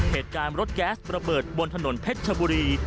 เหตุการณ์รถแก๊สระเบิดบนถนนเพชรชบุรี